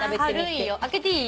開けていい？